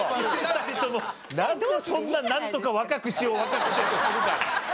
なんでそんななんとか若くしよう若くしようとするかな。